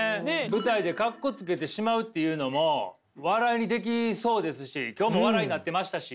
舞台でカッコつけてしまうっていうのも笑いにできそうですし今日も笑いになってましたし。